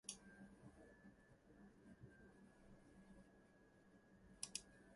Most others are competing proposals which still need evaluation.